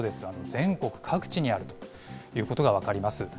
全国各地にあるということが分かります。